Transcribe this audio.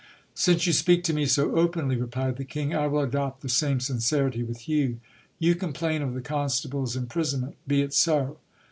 Since you speak to me so openly, replied the king, I will adopt the same sincerity with you. You complain of the constable's imprisonment ! Be it so.